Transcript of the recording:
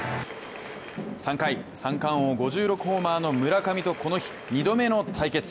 ３回、三冠王・５６ホーマーの村上とこの日、２度目の対決。